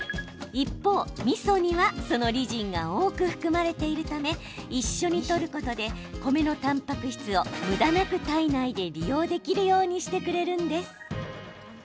一方、みそには、そのリジンが多く含まれているため一緒にとることで米のたんぱく質をむだなく体内で利用できるようにしてくれるんです。